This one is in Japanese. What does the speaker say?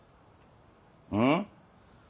うん？